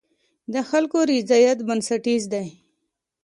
د خلکو رضایت بنسټیز دی.